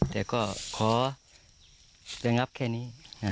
แต่จะง้ับแค่นี้